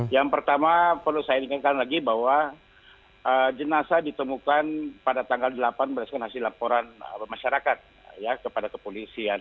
yang pertama perlu saya ingatkan lagi bahwa jenazah ditemukan pada tanggal delapan berdasarkan hasil laporan masyarakat kepada kepolisian